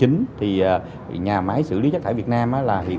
nhà máy xử lý chất thải việt nam